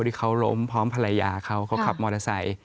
ที่เขาล้มพร้อมภรรยาเขาเขาขับมอเตอร์ไซค์